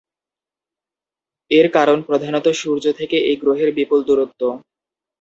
এর কারণ প্রধানত সূর্য থেকে এই গ্রহের বিপুল দূরত্ব।